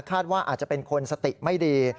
ว่าอาจจะเป็นคนสติไม่ดี